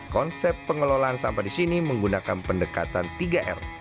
konsep pengelolaan sampah di sini menggunakan pendekatan tiga r